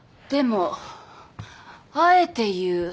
でもあえて言う。